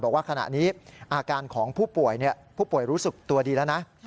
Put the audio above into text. บอกว่าขณะนี้อาการของผู้ป่วยผู้ป่วยรู้สึกตัวดีแล้วนะ